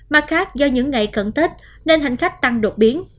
mặt khác do những ngày cận tết nên hành khách tăng đột biến